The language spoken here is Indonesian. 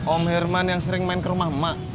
om herman yang sering main ke rumah emak